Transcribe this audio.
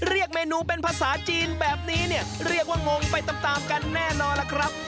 เรียกเมนูเป็นภาษาจีนแบบนี้เรียกว่างงไปตามกันแน่นอนครับ